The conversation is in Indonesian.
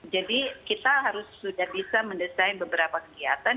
jadi kita harus sudah bisa mendesain beberapa kegiatan